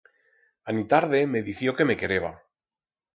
Anitarde me dició que me quereba.